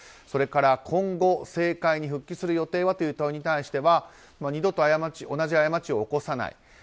それから今後政界に復帰する予定はという問いに対しては二度と同じ過ちを起こさない。